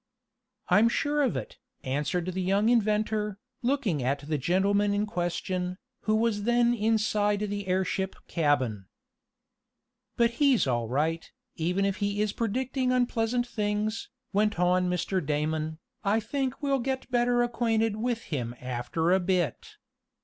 "I'm sure of it," answered the young inventor, looking at the gentleman in question, who was then inside the airship cabin. "But he's all right, even if he is predicting unpleasant things," went on Mr. Damon. "I think we'll get better acquainted with him after a bit."